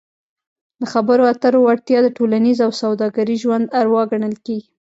د خبرو اترو وړتیا د ټولنیز او سوداګریز ژوند اروا ګڼل کیږي.